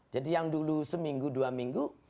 jadi yang dulu seminggu dua minggu